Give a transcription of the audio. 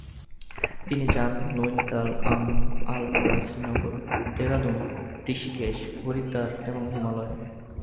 তিনি যান নৈনিতাল, আলমোড়া, শ্রীনগর, দেরাদুন, ঋষিকেশ, হরিদ্বার এবং হিমালয়ে।